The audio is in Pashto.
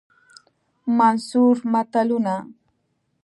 منثور متلونه